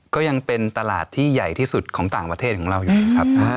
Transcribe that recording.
ก็ยังเป็นตลาดที่ใหญ่ที่สุดของต่างประเทศของเราอยู่ครับ